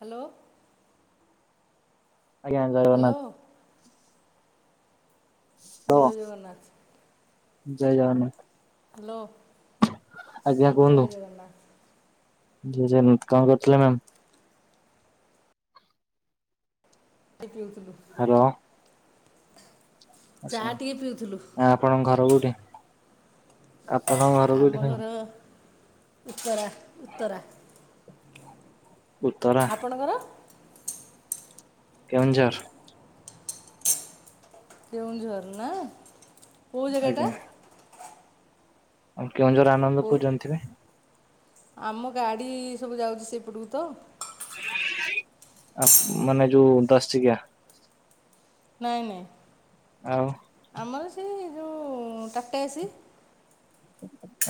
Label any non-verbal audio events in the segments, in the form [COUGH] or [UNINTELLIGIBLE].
Hello. ଆଜ୍ଞା ଜୟ hello Jagannath. Hello ଜୟ ଜଗନ୍ନାଥ। ଜୟ ଜଗନ୍ନାଥ। ହ୍ୟାଲୋ। ଆଜ୍ଞା କୁହନ୍ତୁ ଜୟ ଜଗନାଥ। ଜୟ ଜଗନ୍ନାଥ କଣ କରୁଥିଲେ ମ୍ୟାାମ। ଆପିଉଥିଲୁ। ହ୍ୟାଲୋ। ଆଚ୍ଛା ଚାହା ଟିକେ ପିଉଥିଲୁ ଆପଣଙ୍କ ଘର କୁଉଠି? ଆପଣଙ୍କ ଘର କୁଉଠି? ଉତ୍ତରା ଉତ୍ତରା। ଉତ୍ତରା। ଆପଣଙ୍କର? କେଉଁଝର। କେଉଁଝର ନା କୋଉ ଜାଗାଟା? ଆଜ୍ଞା ଆଉ କେଉଁ ଜୋର ଆନନ୍ଦ କେଉଁ ପୁରୁ ଜାଣିଥିବେ? ଆମ ଗାଡି ସବୁ ଯାଉଛି ସେପଟକୁ ତ। ଆପ୍ ମାନେ ଯୋଉ ଦଶ ଚାକିଆ? ନାଇଁ ନାଇଁ। ଆଉ? ଆମର ସେ ଯେଉଁ ଟାଟା ଏସି।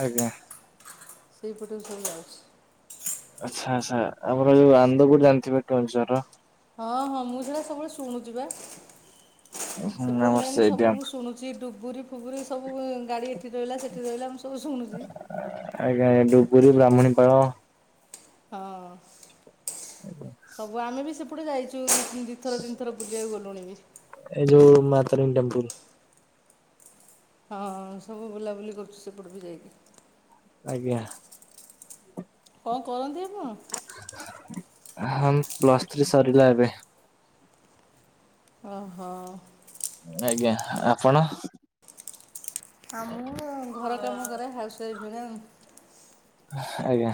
ଆଜ୍ଞା। ସେଇପଟକୁ ସବୁ ଯାଉଛି। ଆଚ୍ଛା ଆଛା ଆମର ଯୋଉ ଆନନ୍ଦ ପୁରୁ ଜାଣିଥିବେ କେଉଁଝର ର? ହଁ ହଁ ମୁଁ ସେଇଟା ସବୁବେଳେ ଶୁଣୁଛି ବା। ହୁଁ ସେପଟେ ଆମର ଲାଇନି ସେଇଠି ସବୁ ମୁଁ ଶୁଣୁଛି। ଡୁବୁରି ଫୁବୁରି ସବୁ ଗାଡି ଏଠି ରହିଲା ସେଠି ରହିଲା ମୁଁ ସବୁ ଶୁଣୁଛି। ଆଜ୍ଞା ଡୁବରିୀ ବ୍ରାହ୍ମଣୀପାଳ। ହଁ ସବୁ ଆମେ ବି ସେପଟେ ଯାଇଛୁ। ଦି ଥର ତିନି ଥର ବୁଲିବାକୁ ଗଲୁଣି ବି। ଏଇ ଯୋଉ ମାାତାରିଣୀ ଟେମ୍ପୁଲୁ। ହଁ ସବୁ ବୁଲାବୁଲି କରୁଛୁ ସେପଟେ କୁ ଯାଇକି। ଆଜ୍ଞା। କଣ କରନ୍ତି ଆପଣ? ହଁ ପ୍ଲସ୍ ଥ୍ରୀ ସରିଲା ଏବେ। ଓହୋ। ଆଜ୍ଞା ଆପଣ? ଆ ମୁଁ ଘର କାମ କରେ ହାଉସୱାଇଫ୍ ଜଣେ। ଆଜ୍ଞା।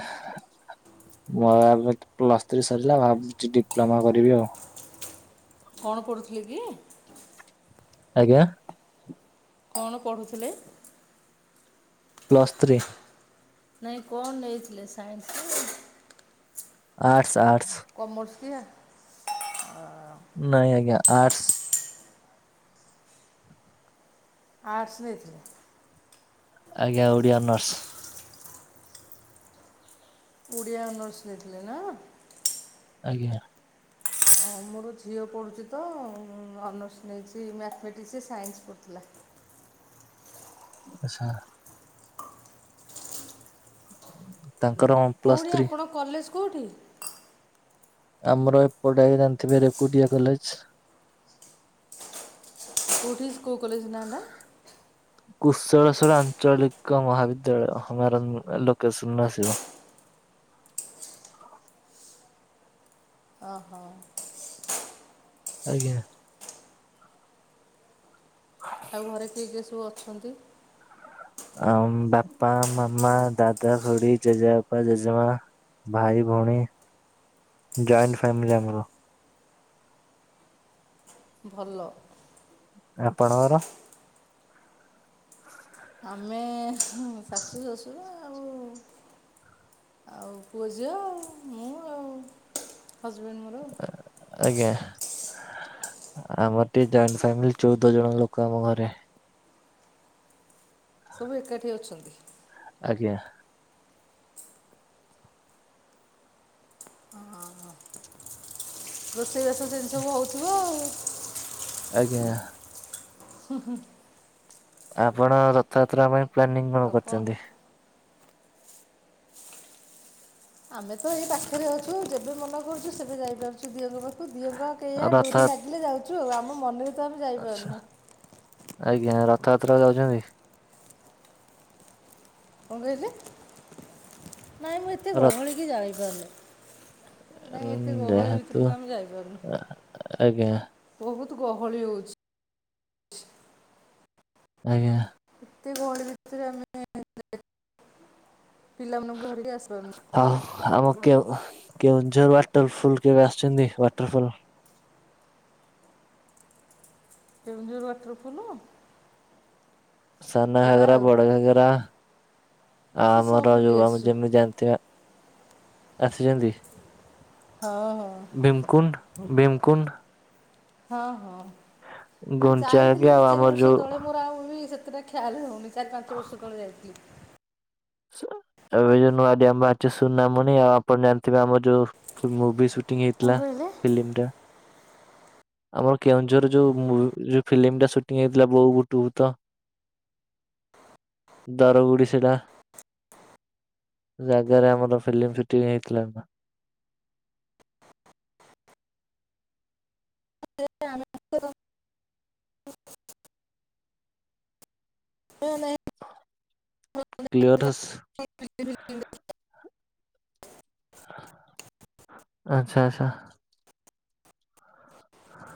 ମୋ ଏ ପ୍ଲସ ଥ୍ରୀ ସରିଲା ଭାବୁଛି ଡିପ୍ଲୋମା କରିବି ଆଉ। କଣ କରୁଥିଲେ କି? ଆଜ୍ଞା। କଣ ପଢୁଥିଲେ? Plus three. ନାଇଁ କଣ ନେଇଥିଲେ ସାଇନ୍ସ ଆର୍ଟ୍ସ ଆର୍ଟ୍ସ। କମର୍ସ କିଆ ଅ ନାଇଁ ଆଜ୍ଞା ଆର୍ଟସ୍। ଆର୍ଟସ୍ ନେଇଥିଲେ? ଆଜ୍ଞା ଓଡ଼ିଆ ଅନର୍ସ। ଓଡ଼ିଆ ଅନର୍ସ ନେଇଥିଲେ ନା? ଆଜ୍ଞା। ହଁ ମୋର ଝିଅ ପଢ଼ୁଛି ତ ଅନର୍ସ ନେଇଛି ମ୍ୟାଥମେଟିକ୍ସ ସାଇନ୍ସ ପଢ଼ୁଥିଲା। ଆଚ୍ଛା। ତାଙ୍କର ପ୍ଲସ୍ କୋଉଠି ଥ୍ରୀ। ଆପଣ କଲେଜ କୋଉଠି? ଆମର ଏପଟେ ଜାଣିଥିବେ ରେକୁଟିଆ କଲେଜ। କୋଉଠି ସ୍କୁ କଲେଜ ନା ଟା? କୁଶେଳେଶ୍ଵଳା ଆଞ୍ଚଳିକ ମହାବିଦ୍ୟାଳୟ ହ ମାରନ୍ ଏ ଲୋକେସନରେ ଆସିବ। ଅ ହ। ଆଜ୍ଞା। ଖଁ ଆଉ ଘରେ କିଏ କିଏ ସବୁ ଅଛନ୍ତି? ଆମ୍ ବାପା ମାମା ଦାଦା ଖୁଡି ଜେଜେବାପା ଜେଜେମା ଭାଇ ଭୋଉଣୀ ଜଏଣ୍ଟ ଫାମିଲି ଆମର। ଭଲ। ଆପଣଙ୍କର [INAUDIBLE] ଆମେ ହୁଁ ଶାଶୁ ଶଶୁର ଆଉ ଆଉ ପୁଅ ଝିଅ ମୁଁ ଆଉ ହଜବେଣ୍ଡ ମୋର। ଆ ଆଜ୍ଞା। ଆ ଆମର ଟିକେ ଜଏଣ୍ଟ ଫ୍ୟାମିଲି ଚୋଉଦ ଜଣ ଲୋକ ଆମ ଘରେ। ସବୁ ଏକାଠି ଅଛନ୍ତି? ଆଜ୍ଞା। ହଁ ହଁ। ରୋଷେଇ ବାସ ସେନ୍ତି ସବୁ ହଉଥିବ ଆଉ। ଆଜ୍ଞା। ହୁଁ ହୁଁ। ଆଉ ଆପଣ ରଥଯାତ୍ରା ପାଇଁ ପ୍ଲାନିଂ କଁ ଆଉ କ'ଣ କରିଚନ୍ତି? ଆମେ ତ ଏଇ ପାଖେରେ ଅଛୁ ଆଉ ଯେବେ ମନ କରୁଛୁ ସେବେ ଯାଇପାରୁଛୁ ଦିଅଁଙ୍କ ପାଖ୍ ତୁ ଦିଅଁ ପା କେଇଆ ରଥ ଡୋରି ଲାଗିଲେ ଯାଉଚୁ ଆଉ ଆମ ମନୁ ଆଚ୍ଛା ଆଜ୍ଞା ରଥଯାତ୍ରାକୁ ଯାଉଛନ୍ତି। କଣ କହିଲେ ନାଇଁ ମୁଁ ଏତେ ର ଗହଳି କିି ଯାଇପାରୁନେଇଁ। ନାଇଁ ଏତେ ଗହଳି ଯେହେତୁ ଭିତରୁକୁ ଆମେ ଯାଇପାରୁନୁ ଆଜ୍ଞା ବୋହୁତୁ ଗହଳି ହଉଛି। ଆଜ୍ଞା। ଏତେ ଗହଳି ଭିତରେ ଆମେ ଏଁ ଏଁ ପିଲାମାନଙ୍କୁ ଧରିକି ଆସିପାରୁନୁ। ହାଉ ହାମ କେଉଁ କେଉଁଝର ୱାଟରଫୁଲ୍ କେବେ ଆସିଛନ୍ତି ୱାଟରଫଲ୍? କେଉଁଝର ୱାଟରଫୁଲୁ ସାନ ଘାଗରା ଆଉ ବଡ଼ ଘାଗରା ଆ ସେ ସବୁ ଆମର ବୁଲି ଯୋଉ ଆମେ ଆସିଛୁ ଯେମିତି ଜାଣିଥିବେ ଆସିଚନ୍ତି। ହଁ ହଁ। ଭୀମକୁଣ୍ଡ ଭୀମକୁଣ୍ଡ। ହଁ ହଁ ଗୁଣ୍ଡିଚାଘାଗି ଯାଇଥିଲି ଦି ଆଉ ଚାରି ଆମର ବର୍ଷ ଯୋଉ ତଳେ ମୋର ଆଉ ବି ସେତେଟା ଖ୍ୟାଲ ହଉନି। ଚାରି ପାଞ୍ଚ ବର୍ଷ ତଳେ ଯାଇଥିଲି। ଏବେ ଯୋଉ ନୂଆ ଡିଆମ୍ ଅଛି ସୁନାମଣି ଆଉ ଆପଣ ଜାଣିଥିବେ ଆମର ଯୋଉ ମୁଭି ସୁଟିଂ କଣ ହେଇଥିଲା କହିଲେ ଫିଲ୍ମ ଟା। ଆମର କେଉଁଝର ଯୋଉ ମୁଁଉ ଯୋଉ ଫିଲ୍ମ ଟା ସୁଟିଂ ହେଇଥିଲା ବୋଉ ଗୁଟୁ ବୁତ। [INAUDIBLE] ଦରବୁଢୀ ସେଇଟା। ଜାଗାରେ ଆମର ଫିଲ୍ମିମ୍ ସୁଟିଂ ହେଇଥିଲା ନାଁ। [UNINTELLIGIBLE] ଏ ନାଇଁ କ୍ଲିୟରସ୍ ଫିଲ୍ମ ଫିଲ୍ମ ଆଛା ଆଛା। ହଁ।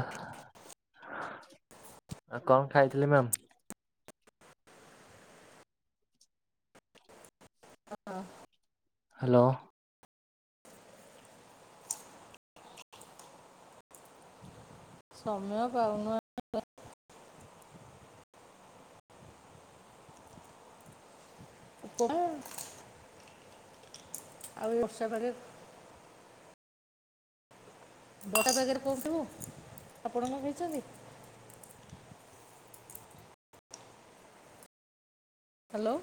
ଆଉ କଣ ଖାଇଥିଲି ମ୍ୟାମ? ହଁଁ। ହାଲୋ। ସମୟ ପାଉ [INAUDIBLE] ଆଉ ଏ ବର୍ଷାରେ ବର୍ଷା ପାଗରେ କୋଉଠିବୁ ଆପଣ କଣ ଖାଇଛନ୍ତି? ହାଲୋ।